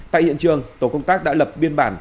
tại hiện trường tổ công tác đã lập biên bản